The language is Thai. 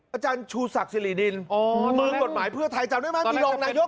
อาจารย์ชูศักดิ์สิริดินมือกฎหมายเพื่อไทยจำได้ไหมมีรองนายก